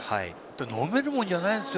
飲めるもんじゃないんですよ。